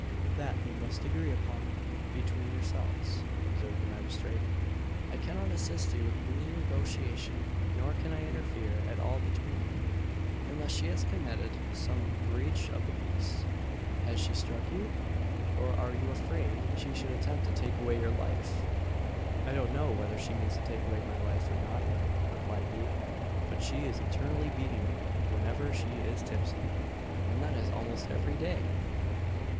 "That you must agree upon between yourselves," observed the magistrate "I cannot assist you in the negotiation, nor can I interfere at all between you, unless she has committed some breach of the peace Has she struck you? or are you afraid she should attempt to take away your life?" "I don't know whether she means to take away my life, or not," replied he, "but she is eternally beating me whenever she is tipsy; and that is almost every day!"